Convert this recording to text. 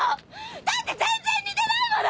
だって全然似てないもの！